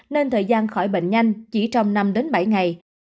nên thời gian khỏi bệnh nhanh chỉ trong năm đến bảy ngày